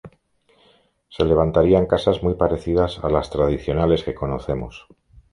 Se levantarían casas muy parecidas a las tradicionales que conocemos.